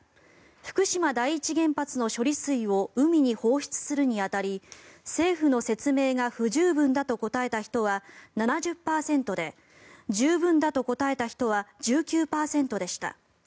福島第一原発の処理水を海に放出するに当たり政府の説明が不十分だと答えた人は７０％で十分だと答えた人は１９％でした。